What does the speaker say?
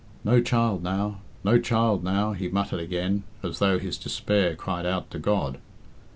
"No child now, no child now," he muttered again, as though his dispair cried out to God.